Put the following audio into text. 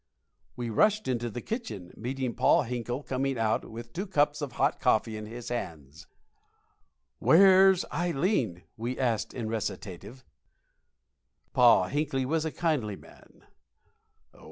We rushed into the kitchen, meeting Pa Hinkle coming out with two cups of hot coffee in his hands. "Where's Ileen?" we asked, in recitative. Pa Hinkle was a kindly man.